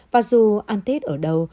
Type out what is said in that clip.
và dù ăn tết ở đâu